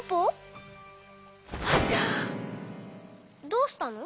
どうしたの？